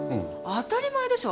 当たり前でしょ。